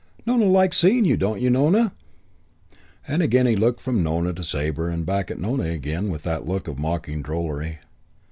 Nona likes seeing you, don't you, Nona?" And again he looked from Nona to Sabre and back at Nona again with that look of mocking drollery.